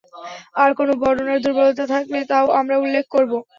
আর কোন বর্ণনার দুর্বলতা থাকলে তাও আমরা উল্লেখ করব।